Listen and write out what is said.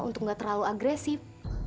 untuk enggak terlalu agresif